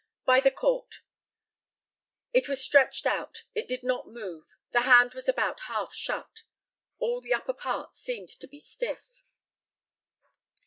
By the COURT. It was stretched out. It did not move. The hand was about half shut. All the upper part seemed to be stiff.